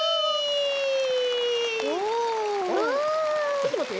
ちょっとまって。